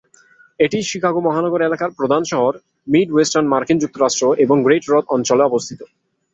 এটি শিকাগো মহানগর এলাকার প্রধান শহর, মিড ওয়েস্টার্ন মার্কিন যুক্তরাষ্ট্র এবং গ্রেট হ্রদ অঞ্চলে অবস্থিত।